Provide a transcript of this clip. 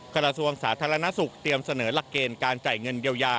กระทรวงสาธารณสุขเตรียมเสนอหลักเกณฑ์การจ่ายเงินเยียวยา